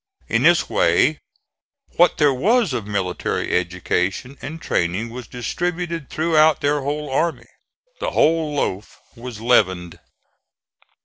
In this way what there was of military education and training was distributed throughout their whole army. The whole loaf was leavened.